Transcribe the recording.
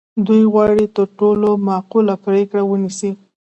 دوی غواړي تر ټولو معقوله پرېکړه ونیسي.